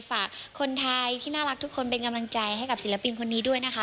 ฝากคนไทยที่น่ารักทุกคนเป็นกำลังใจให้กับศิลปินคนนี้ด้วยนะคะ